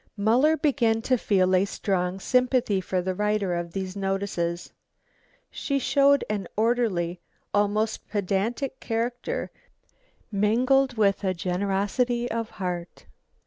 Muller began to feel a strong sympathy for the writer of these notices. She showed an orderly, almost pedantic, character, mingled with generosity of heart.